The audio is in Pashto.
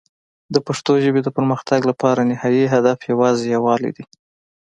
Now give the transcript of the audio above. د پښتو ژبې د پرمختګ لپاره نهایي هدف یوازې یووالی دی.